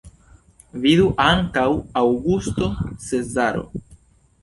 Vidu ankaŭ Aŭgusto Cezaro.